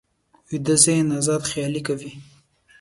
ویده ذهن ازاد خیالي کوي